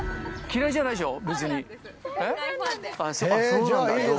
嫌いじゃないでしょ。